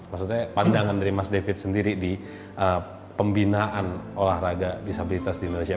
maksud saya pandangan dari mas david sendiri di pembinaan olahraga disabilitas di indonesia